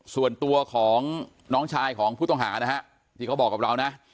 ส่วนตัวของน้องชายของผู้ต้องหานะฮะที่เขาบอกกับเรานะ